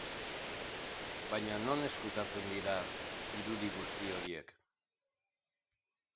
Baina non ezkutatzen dira irudi guzti horiek?